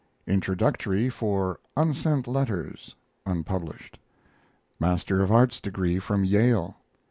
Introductory for "Unsent Letters" (unpublished). Master of Arts degree from Yale.